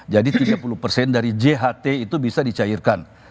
jadi tiga puluh dari jht itu bisa dicairkan